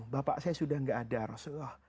bapak saya sudah tidak ada rasulullah